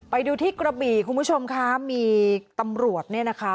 ไปดูที่กระบี่คุณผู้ชมคะมีตำรวจเนี่ยนะคะ